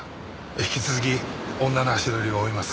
引き続き女の足取りを追います。